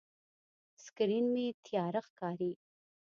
سکرین مې تیاره ښکاري.